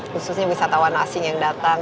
khususnya wisatawan asing yang datang